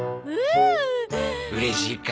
うれしいか？